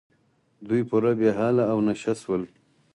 دوی پوره بې حاله او نشه شول.